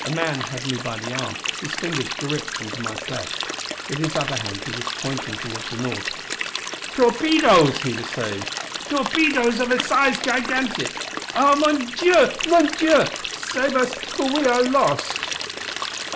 A man had me by the arm; his fingers gripped into my flesh. With his other hand he was pointing toward the north. "Torpedoes!" he was saying. "Torpedoes of a size gigantic! Ah, mon Dieu! mon Dieu! Save us for we are lost!"